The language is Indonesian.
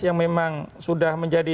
yang memang sudah menjadi